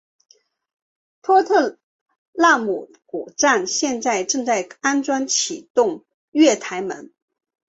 托特纳姆谷站现在正在安装自动月台门。